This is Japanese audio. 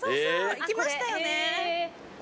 行きましたよね。